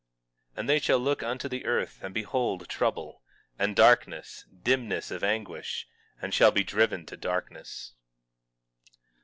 18:22 And they shall look unto the earth and behold trouble, and darkness, dimness of anguish, and shall be driven to darkness.